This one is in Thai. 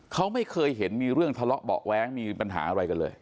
เขาไม่เคยเห็นมีเรื่องทะเลาะเบาะแว้งมีปัญหาอะไรกันเลย